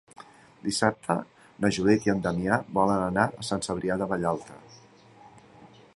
Dissabte na Judit i en Damià volen anar a Sant Cebrià de Vallalta.